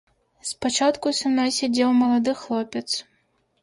Спачатку са мной сядзеў малады хлопец.